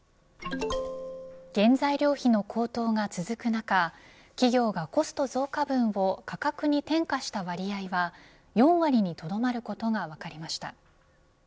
原材料費の高騰が続く中企業がコスト増加分を価格に転嫁した割合は４割にとどまることが分かりました。